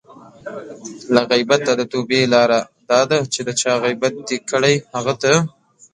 له غیبته د توبې لاره دا ده چې د چا غیبت دې کړی؛ هغه ته